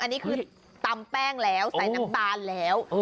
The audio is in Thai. อันนี้คือตำแป้งแล้วใส่น้ำตาลแล้ว